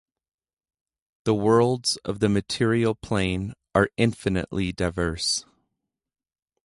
The worlds of the Material Plane are infinitely diverse